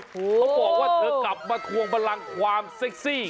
เขาบอกว่าเธอกลับมาทวงบันลังความเซ็กซี่